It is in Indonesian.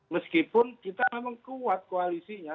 meskipun kita memang kuat koalisinya